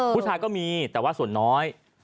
ผู้ชายก็มีแต่ว่าส่วนน้อย